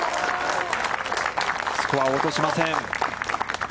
スコアは落としません。